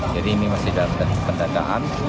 jadi ini masih dalam pendataan